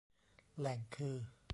แหล่งคือ